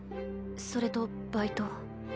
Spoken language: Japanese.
それとバイト。